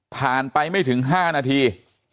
ผ่านไปไม่ถึง๕นาที